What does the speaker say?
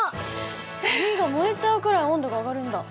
紙が燃えちゃうくらい温度が上がるんだ。